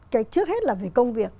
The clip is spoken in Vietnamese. cái trước hết là về công việc